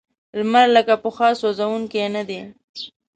لمر لکه پخوا سوځونکی نه دی.